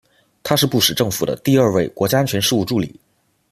他是布什政府的第二位国家安全事务助理。